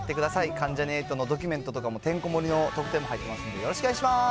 関ジャニ∞のドキュメントとかも、てんこ盛りの特典も入ってますので、よろしくお願いします。